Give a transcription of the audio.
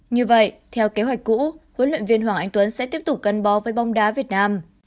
như vậy theo kế hoạch cũ huấn luyện viên hoàng anh tuấn sẽ tiếp tục cân bò với bong đá việt nam